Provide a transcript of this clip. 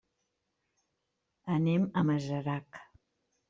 Anem a Masarac.